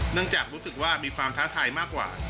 เนื่องจากรู้สึกว่ามีความท้าทายมากกว่า